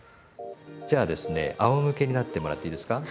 じゃあですねあおむけになってもらっていいですか。